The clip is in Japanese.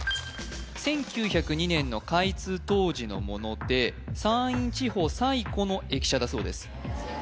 １９０２年の開通当時のもので山陰地方最古の駅舎だそうです